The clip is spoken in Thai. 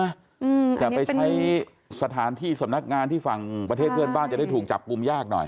อืมแต่ไปใช้สถานที่สำนักงานที่ฝั่งประเทศเพื่อนบ้านจะได้ถูกจับกลุ่มยากหน่อย